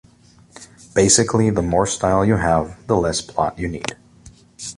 Basically, the more style you have, the less plot you need.